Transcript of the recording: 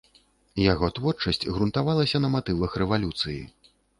Яго творчасць грунтавалася на матывах рэвалюцыі.